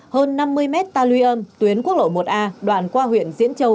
hơn năm mươi m ta lưu âm tuyến quốc lộ một a đoạn qua huyện diễn châu